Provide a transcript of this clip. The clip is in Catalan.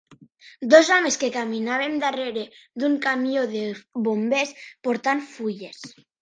Dos homes que caminaven darrere d'un camió de bombers portant fulles